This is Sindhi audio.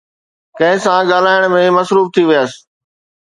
ڪنهن سان ڳالهائڻ ۾ مصروف ٿي ويس